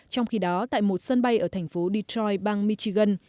trong khi đó tại một sân bay ở thành phố detroit bang michigan